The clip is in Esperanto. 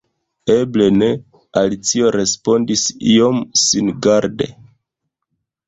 "Eble ne," Alicio respondis iom singarde